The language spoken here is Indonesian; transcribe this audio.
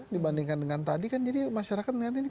dibandingkan dengan tadi kan jadi masyarakat nengah nengah